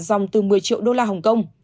dòng từ một mươi triệu đô la hồng kông